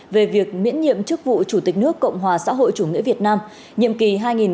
về việc miễn nhiệm chức vụ chủ tịch nước cộng hòa xã hội chủ nghĩa việt nam nhiệm kỳ hai nghìn hai mươi một hai nghìn hai mươi sáu